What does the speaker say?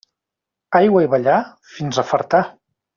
Aigua i ballar, fins a fartar.